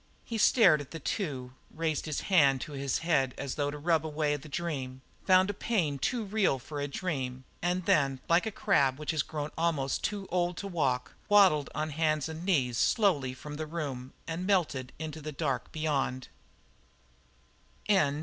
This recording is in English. He stared at the two, raised a hand to his head as though to rub away the dream, found a pain too real for a dream, and then, like a crab which has grown almost too old to walk, waddled on hands and knees, slowly, from the room and melted silently into the dark beyond.